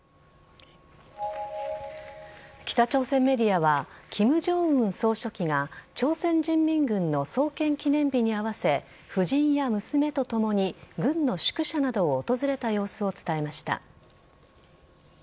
北朝鮮メディアは金正恩総書記が朝鮮人民軍の創建記念日に合わせ夫人や娘とともに軍の宿舎などを訪れた様子を伝えました。